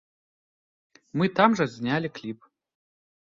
Мы там жа знялі кліп.